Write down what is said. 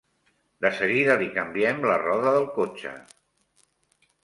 De seguida li canviem la roda del cotxe.